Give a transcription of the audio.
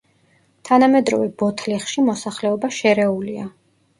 თანამედროვე ბოთლიხში მოსახლეობა შერეულია.